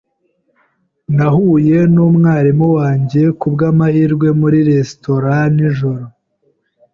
Nahuye numwarimu wanjye kubwamahirwe muri resitora nijoro.